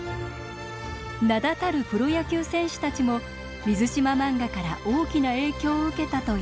名だたるプロ野球選手たちも水島漫画から大きな影響を受けたといいます。